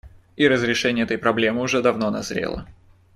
И разрешение этой проблемы уже давно назрело.